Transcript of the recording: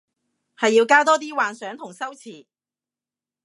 係要加多啲幻想同修辭